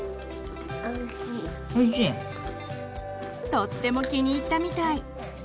とっても気に入ったみたい！